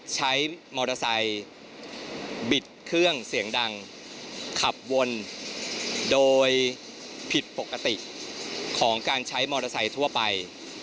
ใช้มอเตอร์ไซค์บิดเครื่องเสียงดังขับวนโดยผิดปกติของการใช้มอเตอร์ไซค์ทั่วไป